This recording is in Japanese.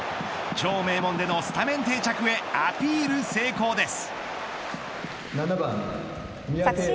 超名門でのスタメン定着へアピール成功です。